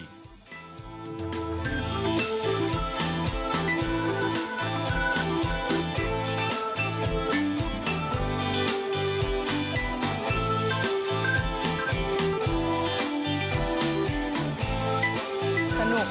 สนุกนะไอล้อง